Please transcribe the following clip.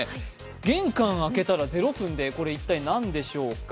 玄関あけたら０分で、これ、一体何でしょうか。